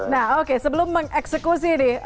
nah oke sebelum mengeksekusi nih